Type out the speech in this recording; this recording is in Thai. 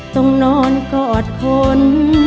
ต้องนอนกอดคน